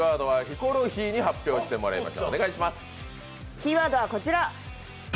キーワードはこちら。